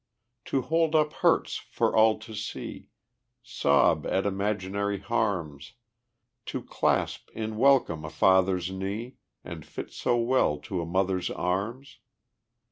To hold up hurts for all to see, Sob at imaginary harms, To clasp in welcome a father's knee, And fit so well to a mother's arms?